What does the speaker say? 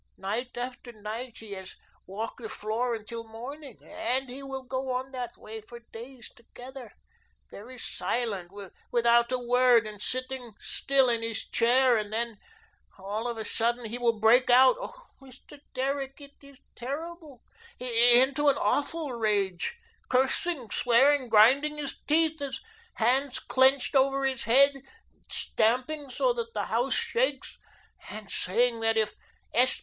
Night after night, he has walked the floor until morning. And he will go on that way for days together, very silent, without a word, and sitting still in his chair, and then, all of a sudden, he will break out oh, Mr. Derrick, it is terrible into an awful rage, cursing, swearing, grinding his teeth, his hands clenched over his head, stamping so that the house shakes, and saying that if S.